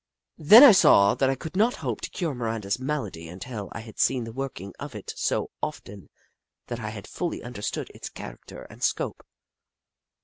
Then I saw that I could not hope to cure Miranda's malady until I had seen the working; of it so often that I fully understood its character and scope.